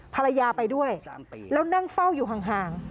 ภรรยาไปด้วยแล้วนั่งเฝ้าอยู่ห่าง